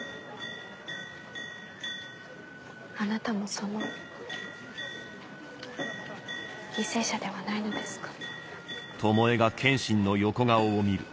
あなたもその犠牲者ではないのですか？